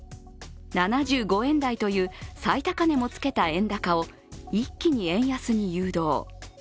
７５円台という最高値もつけた円高を一気に円安に誘導。